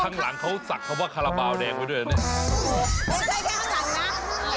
ข้างหลังเขาสักเขาว่าคาราบาลเดงไว้ด้วยนะ